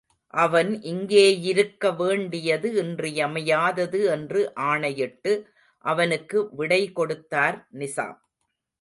அவன் இங்கேயிருக்க வேண்டியது இன்றியமையாதது என்று ஆணையிட்டு, அவனுக்கு விடைகொடுத்தார் நிசாம்.